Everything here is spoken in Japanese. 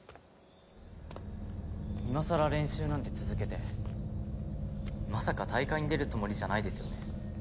今さら練習なんて続けてまさか大会に出るつもりじゃないですよね？